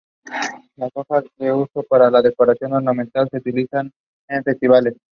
Las hojas son de uso para la decoración ornamental y se utilizan en festivales.